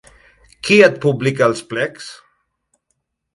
Qui et publica els plecs?